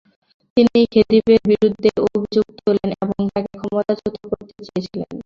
তিনি খেদিভের বিরুদ্ধে অভিযোগ তোলেন এবং তাকে ক্ষমতাচ্যুত করতে চেয়েছিলেন।